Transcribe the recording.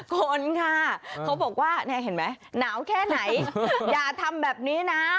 คนค่ะเขาบอกว่าเห็นไหมหนาวแค่ไหนอย่าทำแบบนี้นะ